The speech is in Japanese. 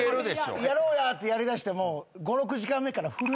「やろうや」ってやりだしても。